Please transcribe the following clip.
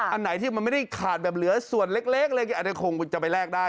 อันไหนที่มันไม่ได้ขาดแบบเหลือส่วนเล็กอะไรอย่างนี้อันนี้คงจะไปแลกได้